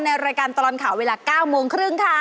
รายการตลอดข่าวเวลา๙โมงครึ่งค่ะ